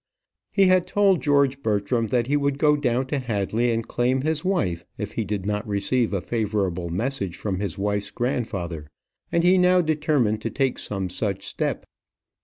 He had told George Bertram that he would go down to Hadley and claim his wife if he did not receive a favourable message from his wife's grandfather; and he now determined to take some such step.